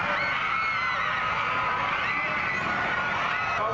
ขอบคุณท่านพี่น้องชาวประกิษนะครับผมขอบคุณท่านพี่น้องชาวประกิษนะครับผม